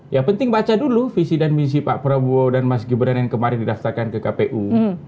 yang penting baca dulu visi dan misi pak prabowo dan mas gibran yang kemarin didaftarkan ke kpu